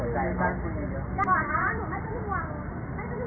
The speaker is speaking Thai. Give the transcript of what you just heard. วิธีนักศึกษาติธรรมชาติ